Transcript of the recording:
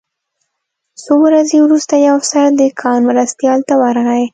څو ورځې وروسته یو افسر د کان مرستیال ته ورغی